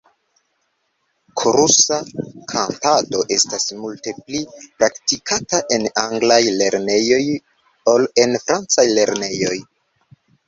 Korusa kantado estas multe pli praktikata en anglaj lernejoj ol en francaj lernejoj.